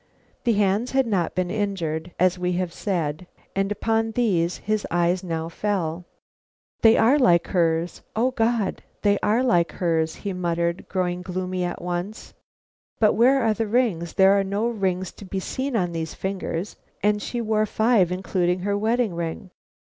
The hands had not been injured, as we have said, and upon these his eyes now fell. "They are like hers! O God! they are like hers!" he muttered, growing gloomy at once. "But where are the rings? There are no rings to be seen on these fingers, and she wore five, including her wedding ring."